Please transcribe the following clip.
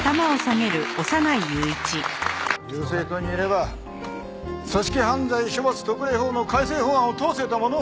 友政党にいれば組織犯罪処罰特例法の改正法案を通せたものを。